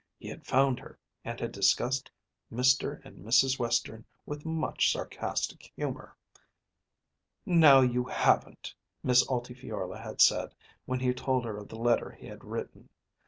He had found her and had discussed Mr. and Mrs. Western with much sarcastic humour. "Now you haven't!" Miss Altifiorla had said, when he told her of the letter he had written.